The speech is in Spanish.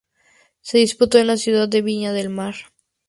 Se disputó en la ciudad de Viña del Mar.